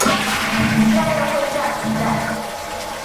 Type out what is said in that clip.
亚运会亚锦赛